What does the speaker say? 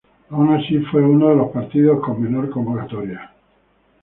Aun así, fue uno de los partidos con menor convocatoria.